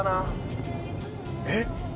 えっ！